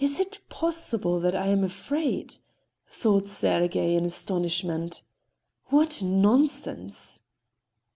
"Is it possible that I am afraid?" thought Sergey in astonishment. "What nonsense!"